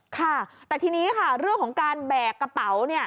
ค่ะแต่ทีนี้ค่ะเรื่องของการแบกกระเป๋า